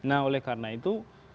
nah oleh karena itu